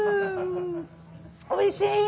おいしい！